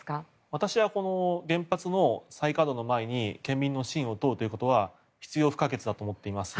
私は原発の再稼働の前に県民の信を問うということは必要不可欠だと思っています。